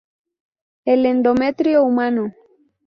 El endometrio humano.